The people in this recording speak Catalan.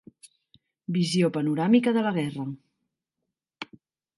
Visió panoràmica de la guerra.